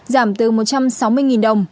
giảm từ một trăm sáu mươi đồng